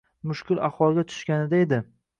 Mushkul ahvolga tushganida edi.